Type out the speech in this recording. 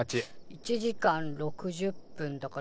１時間６０分だから。